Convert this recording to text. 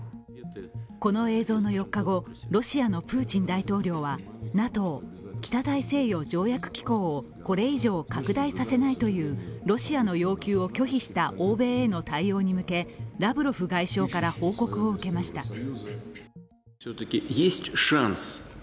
この映像の４日後、ロシアのプーチン大統領はＮＡＴＯ＝北大西洋条約機構をこれ以上拡大させないというロシアの要求を拒否した欧米への対応に向けラブロフ外相から報告を受けました。